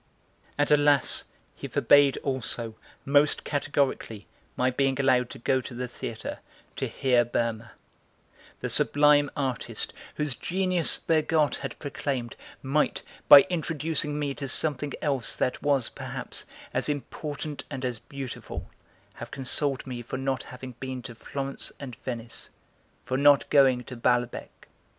And, alas, he forbade also, most categorically, my being allowed to go to the theatre, to hear Berma; the sublime artist, whose genius Bergotte had proclaimed, might, by introducing me to something else that was, perhaps, as important and as beautiful, have consoled me for not having been to Florence and Venice, for not going to Balbec.